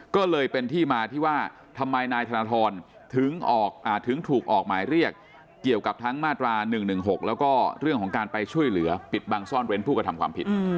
ก็เลยเป็นที่มาที่ว่าทำไมนายธนทรถึงถูกออกหมายเรียกเกี่ยวกับทั้งมาตรา๑๑๖แล้วก็เรื่องของการไปช่วยเหลือปิดบังซ่อนเว้นผู้กระทำความผิด